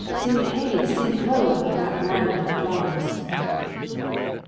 Sing heigh, sing ho, for that land of flowers!